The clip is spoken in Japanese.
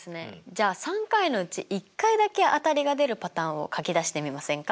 じゃあ３回のうち１回だけ当たりが出るパターンを書き出してみませんか？